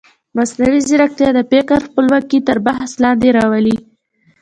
مصنوعي ځیرکتیا د فکر خپلواکي تر بحث لاندې راولي.